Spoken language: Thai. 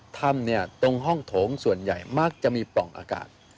ถ้ำตรงห้องโถงส่วนใหญ่มักจะมีปล่องอากาศ